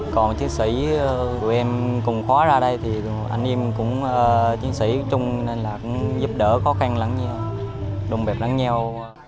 còn chiến sĩ chúng tôi cùng khóa ra đây anh em cũng chiến sĩ chung giúp đỡ khó khăn lắm nhau đồng biệt lắm nhau